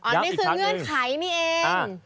ไม่ซื้อเงื่อนไขมีเอง